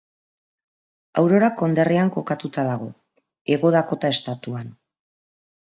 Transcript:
Aurora konderrian kokatuta dago, Hego Dakota estatuan.